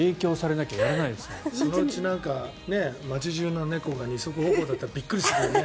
そのうち街中の猫が２足歩行だったらびっくりするよね